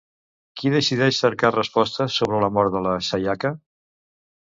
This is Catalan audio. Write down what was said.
Qui decideix cercar respostes sobre la mort de la Sayaka?